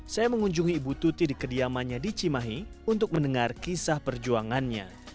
saya mengunjungi ibu tuti di kediamannya di cimahi untuk mendengar kisah perjuangannya